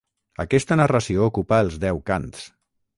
Aquesta narració ocupa els deu cants.